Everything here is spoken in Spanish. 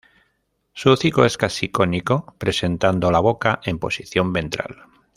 Su hocico es casi cónico, presentando la boca en posición ventral.